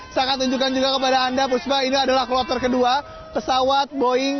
saya akan tunjukkan juga kepada anda puspa ini adalah kloter kedua pesawat boeing